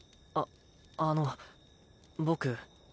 ああの僕